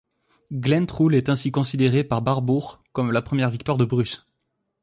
Glen Trool est ainsi considérée par Barbour comme la première victoire de Bruce.